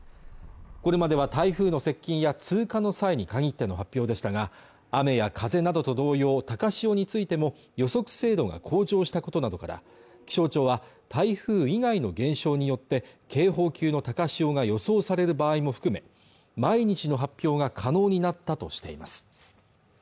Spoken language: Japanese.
これまでは台風の接近や通過の際に限っての発表でしたが雨や風などと同様高潮についても予測精度が向上したことなどから気象庁は台風以外の現象によって警報級の高潮が予想される場合も含め毎日の発表が可能になったとしています